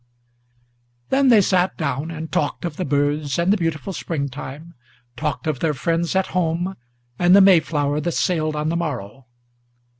Then they sat down and talked of the birds and the beautiful Spring time, Talked of their friends at home, and the Mayflower that sailed on the morrow.